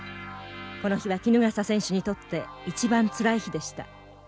この日は衣笠選手にとって一番つらい日でした。